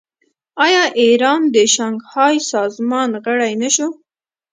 آیا ایران د شانګهای سازمان غړی نه شو؟